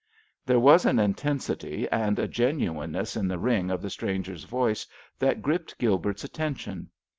There was an intensity and a genuineness in the ring of the stranger's voice that gripped Gilbert's attention.